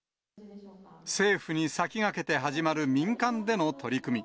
政府に先駆けて始まる民間での取り組み。